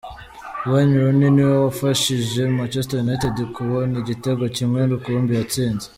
Wayne Rooney niwe wafashije Manchester United kubona igitego kimwe rukumbi yatsinze.